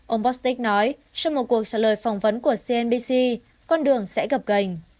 ông bostic nói trong một cuộc trả lời phỏng vấn của cnbc con đường sẽ gập gành